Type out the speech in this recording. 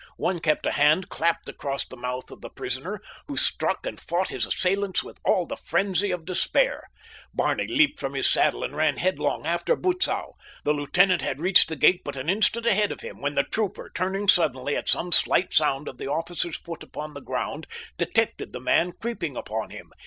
One kept a hand clapped across the mouth of the prisoner, who struck and fought his assailants with all the frenzy of despair. Barney leaped from his saddle and ran headlong after Butzow. The lieutenant had reached the gate but an instant ahead of him when the trooper, turning suddenly at some slight sound of the officer's foot upon the ground, detected the man creeping upon him.